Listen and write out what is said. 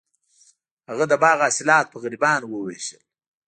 هغه د باغ حاصلات په غریبانو وویشل.